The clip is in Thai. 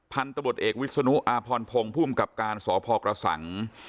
พันตะบดเอกวิศนุอาพรพงษ์ผู้อุ้มกับการสพกระสังค์